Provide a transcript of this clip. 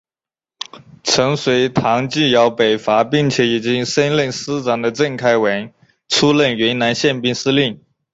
曾随唐继尧北伐并且已经升任师长的郑开文出任云南宪兵司令。